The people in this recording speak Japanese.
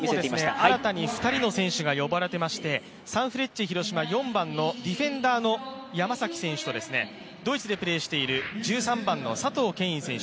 日本も新たに２人の選手が呼ばれていまして、サンフレッチェ広島、４番のディフェンダーの山崎選手とドイツでプレーしている１３番の選手